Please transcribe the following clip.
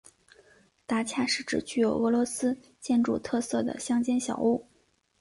达恰是指具有俄罗斯建筑特色的乡间小屋。